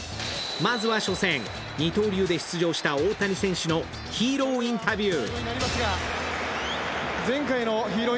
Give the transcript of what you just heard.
まずは初戦、二刀流で出場した大谷選手のヒーローインタビュー。